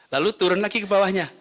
lalu turun lagi ke bawahnya